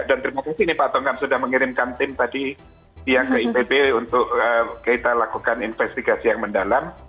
dan terima kasih pak tongam sudah mengirimkan tim tadi yang ke ipb untuk kita lakukan investigasi yang mendalam